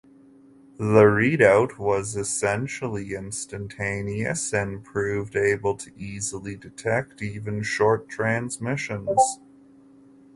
The readout was essentially instantaneous and proved able to easily detect even short transmissions.